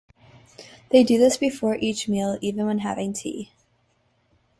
They do this before each meal, even when having tea.